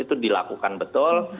itu dilakukan betul